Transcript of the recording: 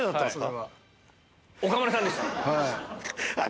岡村さんでした。